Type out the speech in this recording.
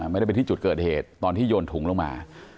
ไม่ได้ไปที่จุดเกิดเหตุตอนที่โยนถุงลงมา